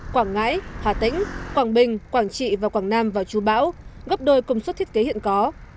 quảng ngãi hà tĩnh quảng bình quảng trị và quảng nam vào chú bão gấp đôi công suất thiết kế hiện có